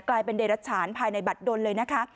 กลายเป็นเดรัชฉานภายในบัตรดนเลยนะคะ